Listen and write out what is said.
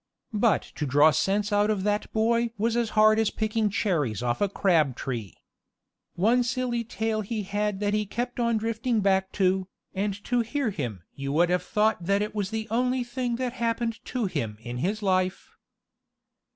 But to draw sense out of that boy was as hard as picking cherries off a crab tree. One silly tale he had that he kept on drifting back to, and to hear him you would have thought that it was the only thing that happened to him in his life.